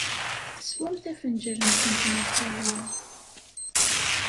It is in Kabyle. Teswamt afenǧal-nkent n lqahwa.